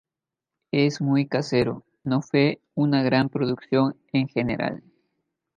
Es muy casero, no fue una gran producción en general".